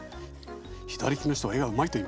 左利きの人は絵がうまいといいますからね。